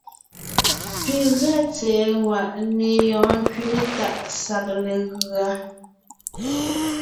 Pi gʉa tsɛ̀ɛ ŋwàʼne yɔɔn ńkẅile tàʼ sag legʉa.